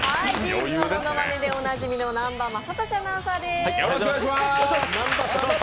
’ｚのものまねでおなじみの南波雅俊アナウンサーです。